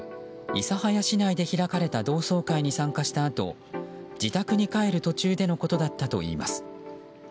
諫早市内で行われた同窓会に参加したあと自宅に帰る途中でのことだったといいます。